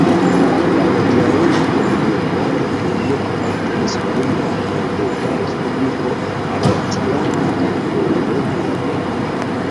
La hodiaŭa komunuma teritorio apartenis dum la Helveta Respubliko al la tiama Kantono Baden.